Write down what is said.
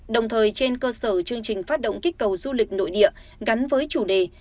đồng thời trên cơ sở chương trình phát động kích cầu du lịch nội địa gắn với chủ đề